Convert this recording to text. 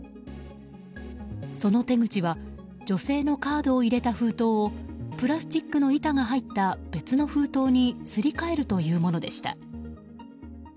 その手口は女性のカードを入れた封筒をプラスチックの板が入った別の封筒にすり替えるというものでした。